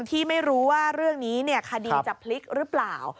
ที่ไม่รู้ว่าเรื่องนี้คดีจะพลิกหรือเปล่า